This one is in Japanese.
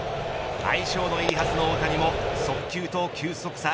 相性のいいはずの大谷も速球と球速差